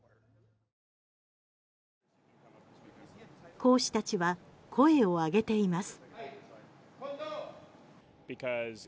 講師たちは声を上げています。